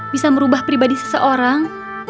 bisa merubah pribadi seseorang